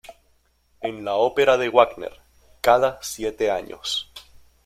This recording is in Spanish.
En la ópera de Wagner, cada siete años.